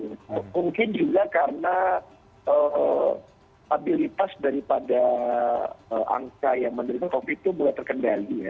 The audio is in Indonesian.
mungkin juga karena stabilitas daripada angka yang menderita covid itu mulai terkendali ya